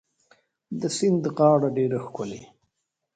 د سیند غاړه ډيره ښکلې